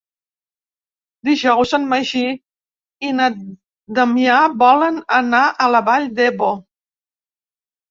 Dijous en Magí i na Damià volen anar a la Vall d'Ebo.